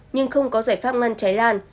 nhưng không có giải pháp ngăn cháy lan